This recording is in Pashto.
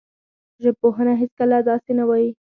ژبپوهنه هېڅکله داسې نه وايي